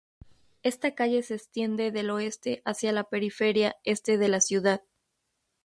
Esta calle se extiende del oeste hacia la periferia este de la ciudad.